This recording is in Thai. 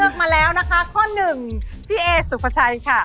เลือกมาแล้วนะคะข้อ๑พี่เอสุภชัยค่ะ